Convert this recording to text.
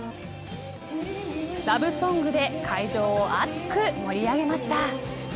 ラブソングで会場を熱く盛り上げました。